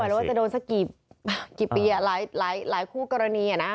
เหมือนว่าจะโดนสักกี่สี่ปีอะหลายหลายหลายคู่กรณีอะนะ